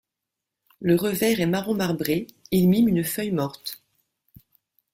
Le revers est marron marbré, il mime une feuille morte.